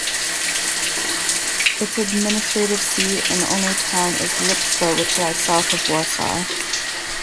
Its administrative seat and only town is Lipsko, which lies south of Warsaw.